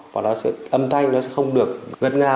và âm thanh nó sẽ không được gất nga